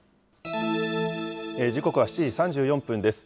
時刻は７時３４分です。